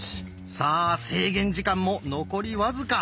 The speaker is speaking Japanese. さあ制限時間も残り僅か。